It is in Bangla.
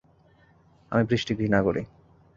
আমি বৃষ্টি ঘৃণা করি।